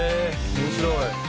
面白い！」